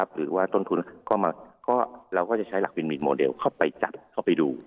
หรือว่าต้นทุนเราก็จะใช้หลักบินโมเดลเข้าไปจับเข้าไปดู